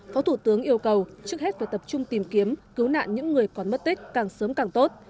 phó thủ tướng yêu cầu trước hết phải tập trung tìm kiếm cứu nạn những người còn mất tích càng sớm càng tốt